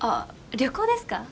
旅行ですか？